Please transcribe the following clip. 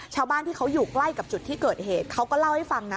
ชาวบ้านที่เขาอยู่ใกล้กับจุดที่เกิดเหตุเขาก็เล่าให้ฟังนะ